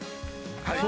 はい。